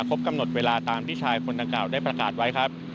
กำหนดเวลาตามที่ชายคนดังกล่าวได้ประกาศไว้ครับ